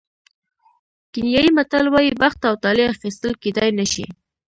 کینیايي متل وایي بخت او طالع اخیستل کېدای نه شي.